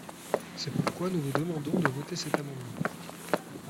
C’est pourquoi nous vous demandons de voter cet amendement.